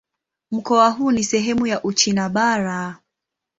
Mkoa huu ni sehemu ya Uchina Bara.